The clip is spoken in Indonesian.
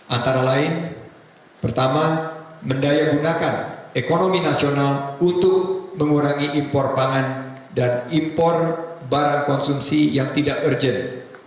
antara lain pertama mendayagunakan ekonomi nasional untuk mengurangi impor pangan dan impor barang konsumsi yang tidak urgent